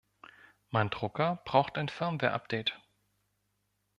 Mein Drucker braucht ein Firmware Update.